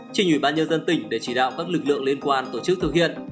trình ủy ban nhân dân tỉnh để chỉ đạo các lực lượng liên quan tổ chức thực hiện